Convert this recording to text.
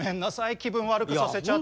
気分悪くさせちゃって。